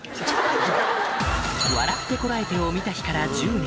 『笑ってコラえて！』を見た日から１０年